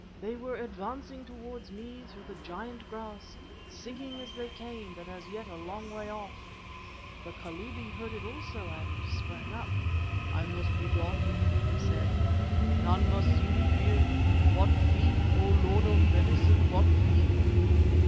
They were advancing towards me through the giant grass, singing as they came, but as yet a long way off. The Kalubi heard it also and sprang up. "'I must be gone,' he said. 'None must see me here. What fee, O Lord of medicine, what fee?